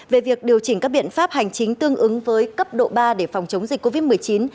về việc điều chỉnh các biện pháp hành chính tương ứng với cấp độ ba để phòng chống dịch covid một mươi chín